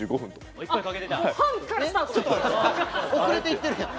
遅れていってるんや！